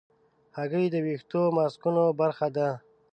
هګۍ د ویښتو ماسکونو برخه ده.